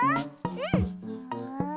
うん。